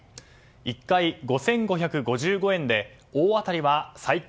１回５５５０円で大当たりは最高